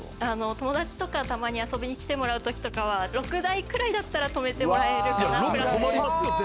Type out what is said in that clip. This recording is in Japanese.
友達とか、たまに遊びに来てもらうときとかは６台くらいだったらとめてもらえるかなと。